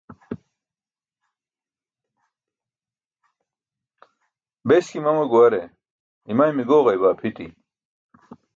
Beśki mama guware, imaymi gooġaybaa pʰiṭi.